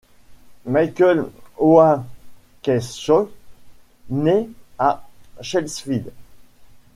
Michael Oakeshott naît à Chelsfield.